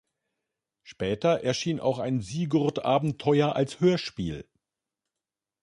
Später erschien auch ein Sigurd-Abenteuer als Hörspiel.